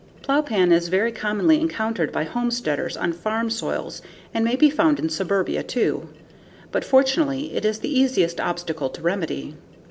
Plowpan is very commonly encountered by homesteaders on farm soils and may be found in suburbia too, but fortunately it is the easiest obstacle to remedy.